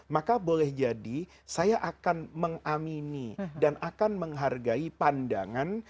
maka boleh jadi saya akan mengamini dan akan menghargai pandangan